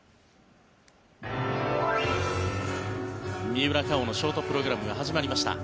三浦佳生のショートプログラムが始まりました。